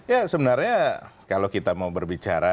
ya sebenarnya kalau kita mau berbicara